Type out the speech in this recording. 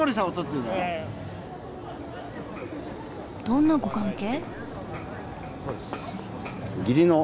どんなご関係？